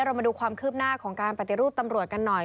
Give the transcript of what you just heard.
มาดูความคืบหน้าของการปฏิรูปตำรวจกันหน่อย